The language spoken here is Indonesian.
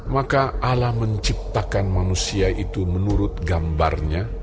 maka alam menciptakan manusia itu menurut gambarnya